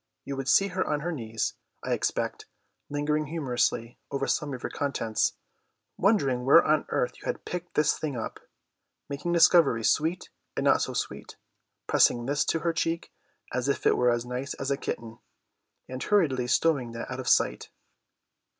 You would see her on her knees, I expect, lingering humorously over some of your contents, wondering where on earth you had picked this thing up, making discoveries sweet and not so sweet, pressing this to her cheek as if it were as nice as a kitten, and hurriedly stowing that out of sight.